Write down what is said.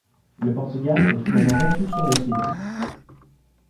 Le Portugal est finalement battu sur le fil.